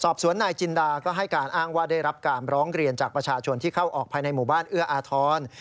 สอบสวนนายจินดาก็ให้การอ้างว่าได้รับการร้องเรียนจากประชาชนที่เข้าออกภายในหมู่บ้านเอื้ออาทร